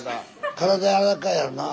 体軟らかいやろなあ。